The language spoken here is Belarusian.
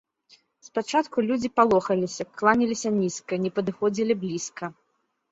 Спачатку людзі палохаліся, кланяліся нізка, не падыходзілі блізка.